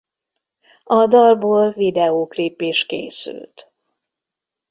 A dalból videóklip is készült.